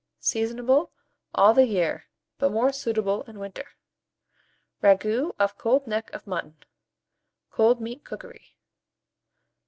Seasonable all the year, but more suitable in winter. RAGOUT OF COLD NECK OF MUTTON (Cold Meat Cookery). 736.